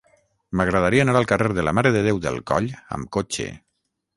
M'agradaria anar al carrer de la Mare de Déu del Coll amb cotxe.